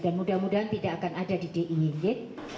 dan mudah mudahan tidak akan ada di d i e